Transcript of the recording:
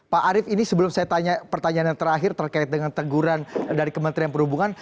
pak arief ini sebelum saya tanya pertanyaan yang terakhir terkait dengan teguran dari kementerian perhubungan